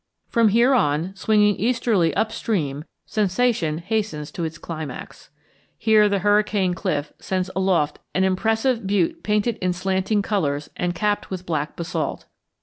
From here on, swinging easterly up stream, sensation hastens to its climax. Here the Hurricane Cliff sends aloft an impressive butte painted in slanting colors and capped with black basalt.